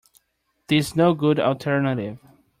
This no good alternative.